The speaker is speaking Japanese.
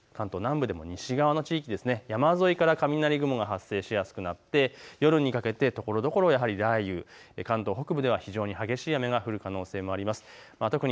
関東北部や関東南部でも西側の地域、山沿いから雷雲が発生しやすくなって夜にかけてところどころ雷雨、関東北部では非常に激しい雨が降る可能性があります。